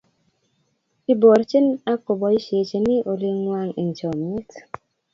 Iborjin ak koboisiechin olikwak eng chomyiet